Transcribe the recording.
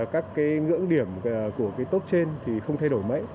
các ngưỡng điểm của tốt trên thì không thay đổi mấy